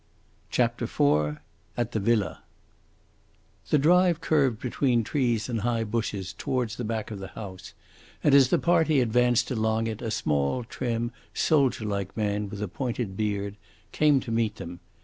CHAPTER IV AT THE VILLA The drive curved between trees and high bushes towards the back of the house, and as the party advanced along it a small, trim, soldier like man, with a pointed beard, came to meet them.